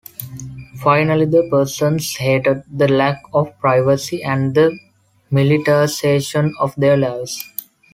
Finally, the peasants hated the lack of privacy and the militarization of their lives.